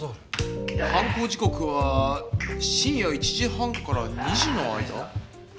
犯行時刻は深夜１時半から２時の間？